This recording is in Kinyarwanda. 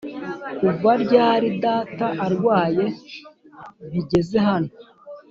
kuva ryari data arwaye bigeze hano!?